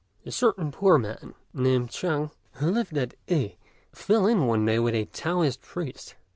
A certain poor man, named Chang, who lived at I, fell in one day with a Taoist priest.